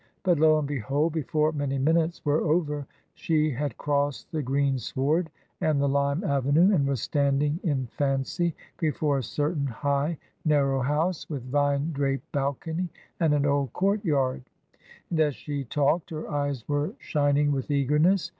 But lo and behold! before many minutes were over she had crossed the green sward, and the lime avenue, and was standing in fancy before a certain high, narrow house, with vine draped balcony, and an old courtyard; and as she talked her eyes were shining with eagerness.